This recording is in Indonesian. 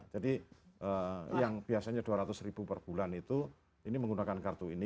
jadi yang biasanya dua ratus ribu per bulan itu ini menggunakan kartu ini